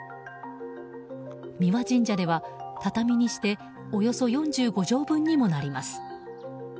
三輪神社では、畳にしておよそ４５畳分にもなります。